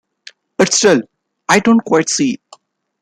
But still, I don't quite see.